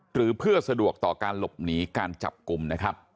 หรือเพื่อสะดวกต่อการหลบหนีการจับกลุ่มนะครับ